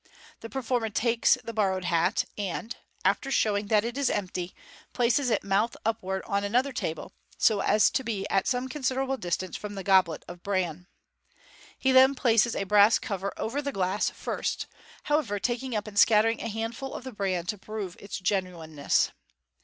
The performer t^ies the borrowed hat, and (after showing that it is empty) places it mouth upwards upon another table, so as to be at some considerable distance from the goblet of bran. He then places a brass cover over the glass, first, however, taking up and scattering a handful of the bran to prove its genuineness.